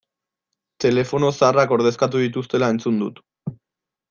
Telefono zaharrak ordezkatu dituztela entzun dut.